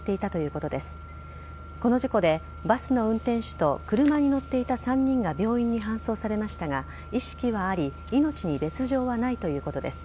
この事故で、バスの運転手と車に乗っていた３人が病院に搬送されましたが意識はあり命に別条はないということです。